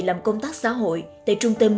làm công tác xã hội tại trung tâm